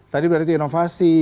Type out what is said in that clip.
tadi berarti inovasi